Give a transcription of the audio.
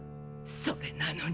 それなのに！